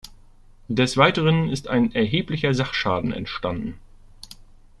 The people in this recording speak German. Des Weiteren ist ein erheblicher Sachschaden entstanden.